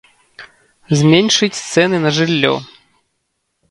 Зменшыць цэны на жыллё.